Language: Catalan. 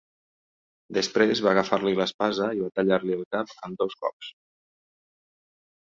Després va agafar-li l'espasa i va tallar-li el cap amb dos cops.